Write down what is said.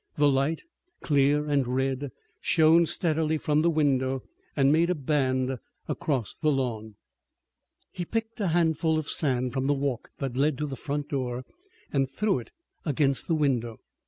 The light, clear and red, shone steadily from the window and made a band across the lawn. He picked a handful of sand from the walk that led to the front door and threw it against the window.